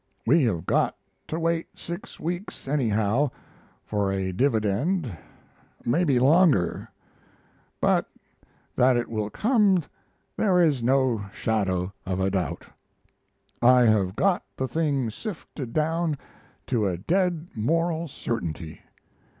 We have got to wait six weeks, anyhow, for a dividend maybe longer but that it will come there is no shadow of a doubt. I have got the thing sifted down to a dead moral certainty.